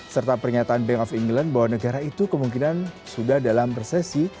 serta pernyataan bank of england bahwa negara itu kemungkinan sudah dalam resesi